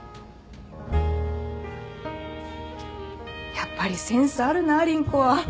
やっぱりセンスあるな凛子は。